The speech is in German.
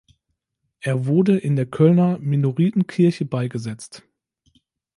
Er wurde in der Kölner Minoritenkirche beigesetzt.